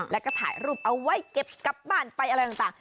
แล้วก็ถ่ายรูปเอาไว้เก็บกลับบ้านไปอะไรต่าง